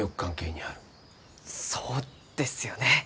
そうですよね。